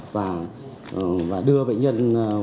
và đưa bệnh nhân